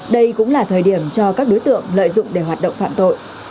đây cũng là thời điểm cho các đối tượng lợi dụng để hoạt động phạm tội